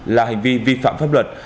là hành vi vi phạm pháp luật